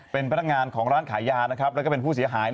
เป็นพนักงานของร้านขายยาแล้วก็เป็นผู้เสียหาย